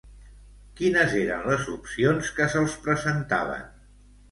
Quines eren les opcions que se'ls presentaven?